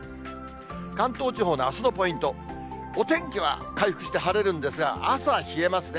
関東地方のあすのポイント、お天気は回復して晴れるんですが、朝冷えますね。